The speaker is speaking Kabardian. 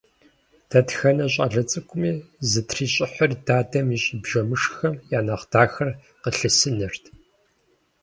Дэтхэнэ щӀалэ цӀыкӀуми зытрищӀыхьыр дадэм ищӀ бжэмышххэм я нэхъ дахэр къылъысынырт.